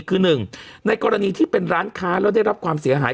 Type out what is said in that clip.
คือหนึ่งในกรณีที่เป็นร้านค้าแล้วได้รับความเสียหาย